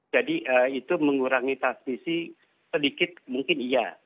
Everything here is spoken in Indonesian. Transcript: jadi itu mengurangi tas visi sedikit mungkin iya